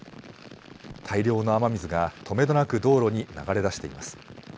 大量の雨水がとめどなく道路に流れ出しています。